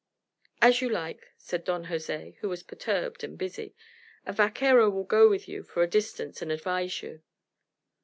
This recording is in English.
"As you like," said Don Jose, who was perturbed and busy. "A vaquero will go with you for a distance and advise you."